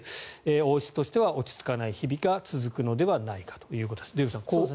王室としては落ち着かない日々が続くのではということです。